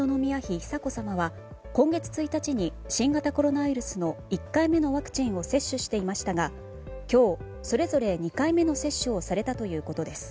久子さまは今月１日に新型コロナウイルスの１回目のワクチンを接種していましたが今日、それぞれ２回目の接種をされたということです。